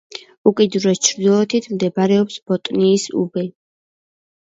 უკიდურეს ჩრდილოეთით მდებარეობს ბოტნიის უბე.